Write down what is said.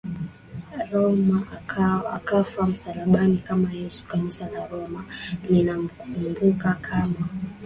Roma akafa msalabani kama YesuKanisa la Roma linamkumbuka kama